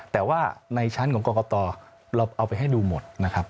แต่ว่าในชั้นของกรกตเราเอาไปให้ดูหมดนะครับ